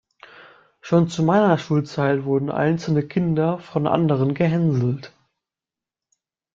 Schon zu meiner Schulzeit wurden einzelne Kinder von anderen gehänselt.